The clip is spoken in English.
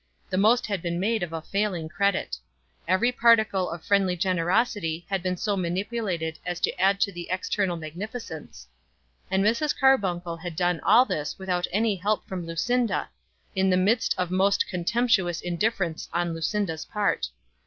The most had been made of a failing credit. Every particle of friendly generosity had been so manipulated as to add to the external magnificence. And Mrs. Carbuncle had done all this without any help from Lucinda, in the midst of most contemptuous indifference on Lucinda's part.